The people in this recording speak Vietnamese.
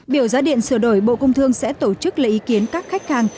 biểu giá điện sửa đổi bộ công thương sẽ tổ chức lấy ý kiến các khách hàng